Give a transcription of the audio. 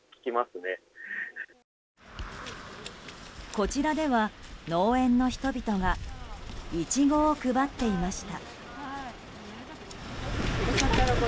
こちらでは、農園の人々がイチゴを配っていました。